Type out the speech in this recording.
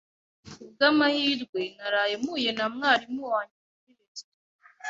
Ku bw'amahirwe, naraye mpuye na mwarimu wanjye muri resitora